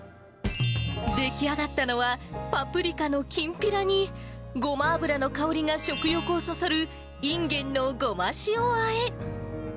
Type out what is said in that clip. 出来上がったのは、パプリカのきんぴらに、ごま油の香りが食欲をそそるいんげんのごま塩あえ。